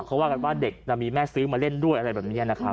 เขาว่ากันว่าเด็กมีแม่ซื้อมาเล่นด้วยอะไรแบบนี้นะครับ